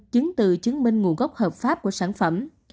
chứng từ chứng minh nguồn gốc hợp pháp của sản phẩm